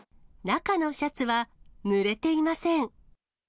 中のシャツは、ぬれていません。